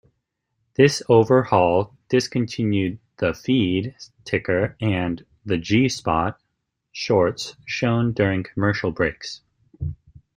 This overhaul discontinued "The Feed" ticker, and the "G-Spot" shorts shown during commercial breaks.